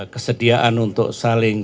kesediaan untuk saling